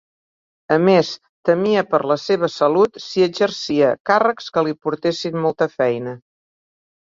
A més temia per la seva salut si exercia càrrecs que li portessin molta feina.